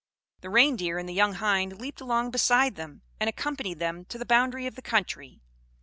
The Reindeer and the young hind leaped along beside them, and accompanied them to the boundary of the country.